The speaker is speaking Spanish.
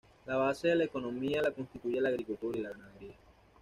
La base de la economía la constituye la agricultura y la ganadería.